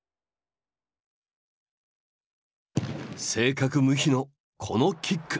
正確無比のこのキック。